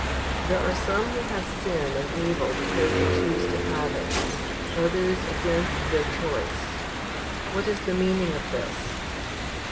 There are some who have sin and evil because they choose to have it, others against their choice. What is the meaning of this?